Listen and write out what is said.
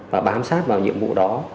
và bám sát vào nhiệm vụ đó